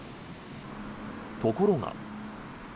ところが。